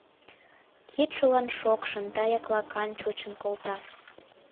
Кидшылан шокшын да яклакан чучын колта.